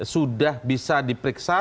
sudah bisa diperiksa